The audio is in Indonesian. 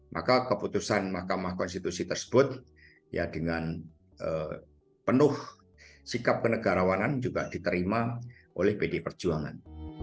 maka keputusan mahkamah konstitusi tersebut dengan penuh sikap kenegarawanan juga diterima oleh pd perjuangan